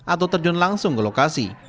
atau terjun langsung ke lokasi